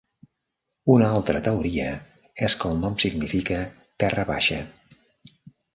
Una altra teoria és que el nom significa "terra baixa".